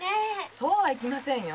そうはいきませんよ。